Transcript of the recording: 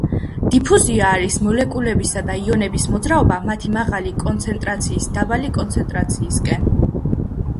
დიფუზია არის მოლეკულებისა და იონების მოძრაობა მათი მაღალი კონცენტრაციის დაბალი კონცენტრაციისკენ.